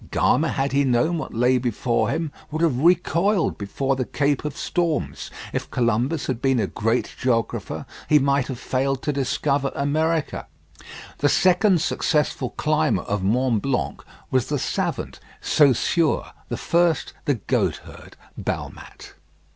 Gama, had he known what lay before him, would have recoiled before the Cape of Storms. If Columbus had been a great geographer, he might have failed to discover America. The second successful climber of Mont Blanc was the savant, Saussure; the first the goatherd, Balmat.